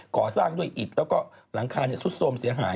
ก่อสร้างด้วยอิดแล้วก็หลังคาซุดสมเสียหาย